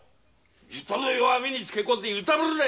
人の弱みにつけ込んでいたぶるな！